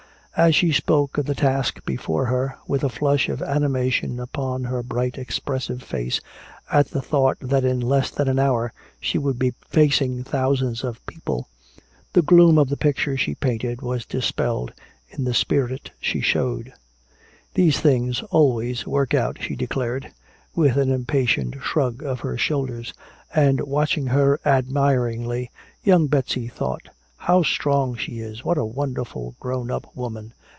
As she spoke of the task before her, with a flush of animation upon her bright expressive face at the thought that in less than an hour she would be facing thousands of people, the gloom of the picture she painted was dispelled in the spirit she showed. "These things always work out," she declared, with an impatient shrug of her shoulders. And watching her admiringly, young Betsy thought, "How strong she is! What a wonderful grown up woman!"